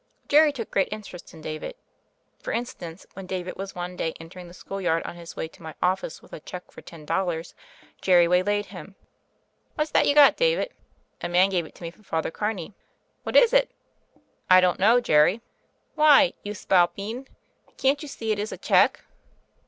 Jerry took great interest in David. For in stance, when David was one day entering the school yard on his way to my office with a check for ten dollars, Jerry waylaid him. THE FAIRY OF THE SNOWS 117 "What's that you've got, David ?" "A man gave it to me for Father Carney." "What is it?" "I don't know, Jerry." "Why, you spalpeen, can't you see it is a check?"